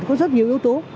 có rất nhiều yếu tố